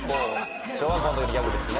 小学校の時のギャグですね。